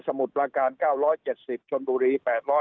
มุดประการ๙๗๐ชนบุรี๘๐๐